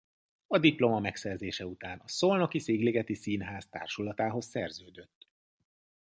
A diploma megszerzése után a Szolnoki Szigligeti Színház társulatához szerződött.